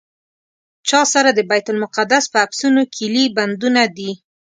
چا سره د بیت المقدس په عکسونو کیلي بندونه دي.